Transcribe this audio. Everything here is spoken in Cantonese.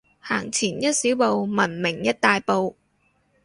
行前一小步，文明一大步